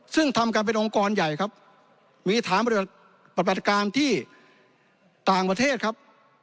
ซึ่งทำกันเป็นองค์กรใหญ่ครับมีฐานปฏิบัติการที่ต่างประเทศครับ